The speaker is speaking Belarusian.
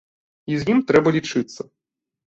І з ім трэба лічыцца.